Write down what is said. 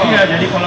iya jadi kalau